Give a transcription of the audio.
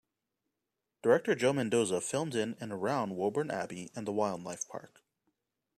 Director Joe Mendoza filmed in and around Woburn Abbey and the Wildlife Park.